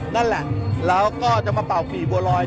นั่นแหละแล้วก็จะมาเป่าปีบัวลอย